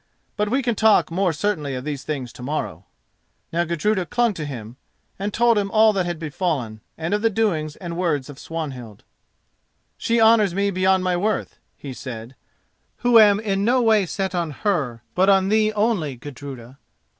But we can talk more certainly of these things to morrow." Now Gudruda clung to him and told him all that had befallen, and of the doings and words of Swanhild. "She honours me beyond my worth," he said, "who am in no way set on her, but on thee only, Gudruda."